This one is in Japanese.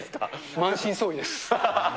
満身創痍です。